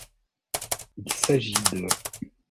Il s'agit de '.